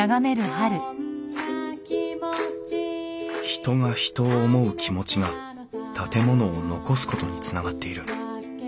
人が人を思う気持ちが建物を残すことにつながっている。